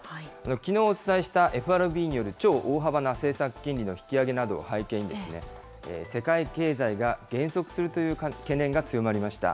きのうお伝えしたＦＲＢによる超大幅な政策金利の引き上げなどを背景に、世界経済が減速するという懸念が強まりました。